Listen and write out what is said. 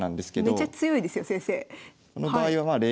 めちゃ強いですよ先生。